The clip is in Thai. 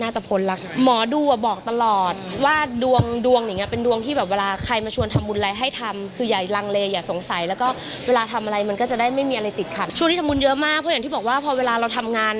ช่วงนี้ทำบุญเยอะมากเพราะอย่างที่บอกว่าพอเวลาเราทำงาน